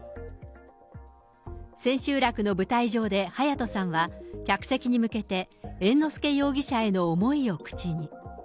千秋楽の舞台上で隼人さんは客席に向けて、猿之助容疑者への思いを口に。